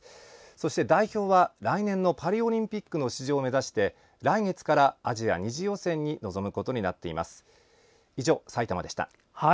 そして代表は、来年のパリオリンピックへの出場を目指して、来月からアジア２次予選に臨みます。